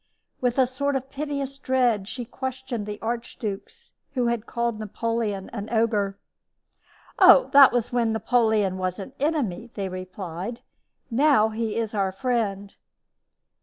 With a sort of piteous dread she questioned the archdukes who had called Napoleon an ogre. "Oh, that was when Napoleon was an enemy," they replied. "Now he is our friend."